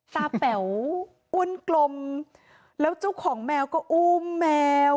แป๋วอ้วนกลมแล้วเจ้าของแมวก็อุ้มแมว